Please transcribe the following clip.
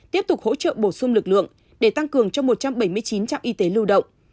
tiếp tục hỗ trợ bổ sung lực lượng để tăng cường cho một trăm bảy mươi chín trạm y tế lưu động